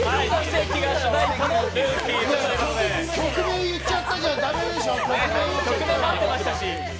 曲名言っちゃったから駄目でしょ。